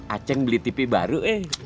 a ceng beli tipe baru